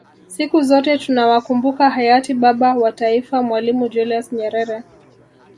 Siku zote tutawakumbuka Hayati Baba wa taifa Mwalimu Julius Nyerere